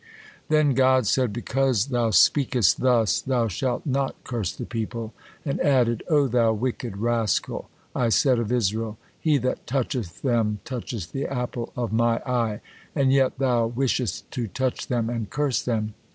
Then God said, "Because thou speakest thus, thou shalt not curse the people," and added, "O thou wicked rascal! I said of Israel, He that toucheth them, toucheth the apple of My eye,' and yet thou wishest to touch them and curse them!